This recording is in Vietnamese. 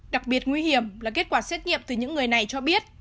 đặc biệt nguy hiểm là kết quả xét nghiệm từ những người này cho biết